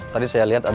tadi saya lihat tadi